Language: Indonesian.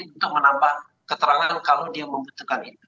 untuk menambah keterangan kalau dia membutuhkan itu